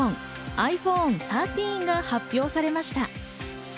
ｉＰｈｏｎｅ１３が発表されました。